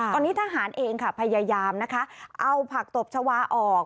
ตอนนี้ทหารเองค่ะพยายามนะคะเอาผักตบชาวาออก